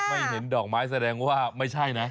ไม่เห็นดอกไม้แสดงว่าไม่ใช่นะ